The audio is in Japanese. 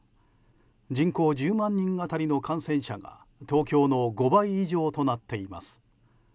人口１０万人当たりの感染者が東京の５倍以上となっています。